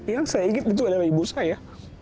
yang saya ingat itu adalah ibu saya